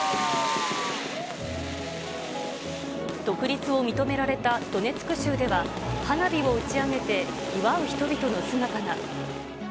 独立を認められたドネツク州では、花火を打ち上げて祝う人々の姿が。